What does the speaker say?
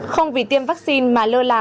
không vì tiêm vaccine mà lơ là